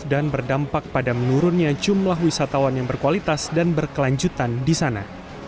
dan berdampak pada menurunnya jumlah wisatawan yang berkualitas dan berkelanjutan di sana